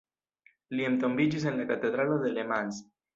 Li entombiĝis en la katedralo de Le Mans.